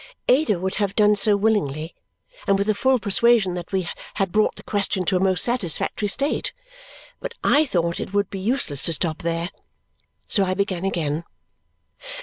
Ada would have done so willingly, and with a full persuasion that we had brought the question to a most satisfactory state. But I thought it would be useless to stop there, so I began again.